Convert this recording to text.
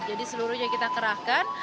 jadi seluruhnya kita kerahkan